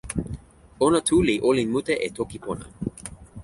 ona tu li olin mute e toki pona.